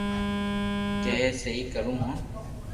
ڪي اپي سھي ڪرو ھون